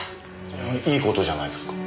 いい事じゃないですか。